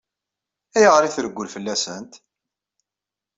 Ayɣer i treggel fell-asent?